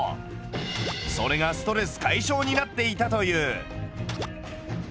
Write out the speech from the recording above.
それがストレス解消になっていたという。